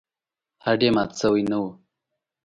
هډ یې مات شوی نه و.